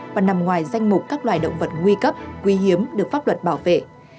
và nằm ngoài danh mục các loài động vật nguy cấp quý hiếm được pháp luật bảo vệ